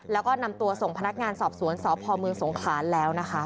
แล้วก็นำตัวส่งพนักงานสอบสวนสพเมืองสงขลาแล้วนะคะ